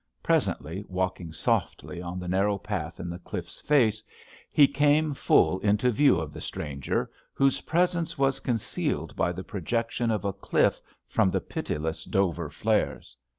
Presently, walking softly on the narrow path in the cliff's face, he came full into view of the stranger, whose presence was concealed by the projection of a cliff from the pitiless Dover flares.